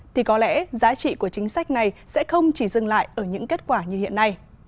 thì có lẽ giá trị của chính sách này sẽ không chỉ dừng lại ở những kết quả như hiện nay